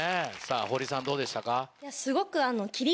堀さんどうでしたか？